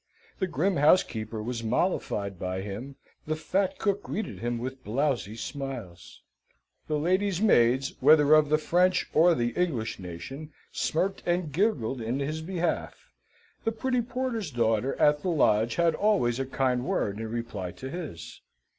The grim housekeeper was mollified by him: the fat cook greeted him with blowsy smiles; the ladies' maids, whether of the French or the English nation, smirked and giggled in his behalf; the pretty porter's daughter at the lodge had always a kind word in reply to his.